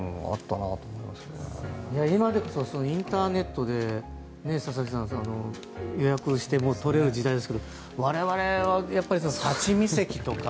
今でこそインターネットで佐々木さん予約してとれる時代ですけど我々は立ち見席とか。